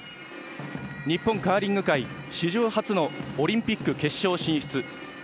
日本カーリング界史上初のオリンピック決勝進出。